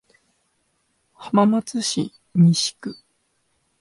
浜松市西区